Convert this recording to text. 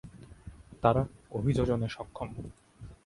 তারা অভিযোজনে সক্ষম।